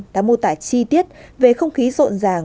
đã mô tả chi tiết về không khí rộn ràng